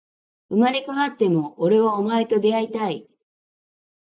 生まれ変わっても、俺はお前と出会いたい